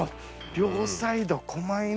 両サイド狛犬